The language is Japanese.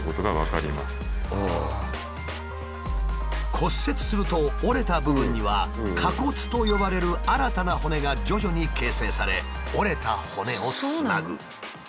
骨折すると折れた部分には「仮骨」と呼ばれる新たな骨が徐々に形成され折れた骨をつなぐ。